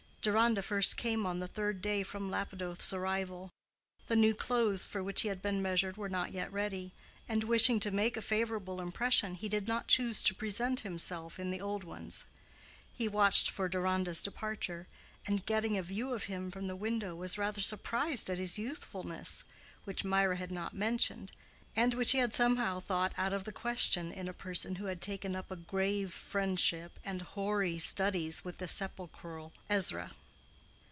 Deronda first came on the third day from Lapidoth's arrival. The new clothes for which he had been measured were not yet ready, and wishing to make a favorable impression, he did not choose to present himself in the old ones. He watched for Deronda's departure, and, getting a view of him from the window, was rather surprised at his youthfulness, which Mirah had not mentioned, and which he had somehow thought out of the question in a personage who had taken up a grave friendship and hoary studies with the sepulchral Ezra.